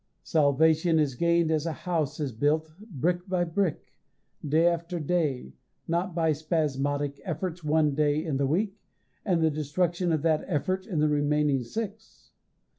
Salvation is gained as a house is built, brick by brick, day after day, not by spasmodic efforts one day in the week, and the destruction of that effort in the remaining six.